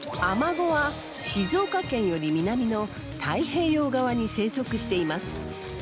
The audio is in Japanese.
アマゴは静岡県より南の太平洋側に生息しています。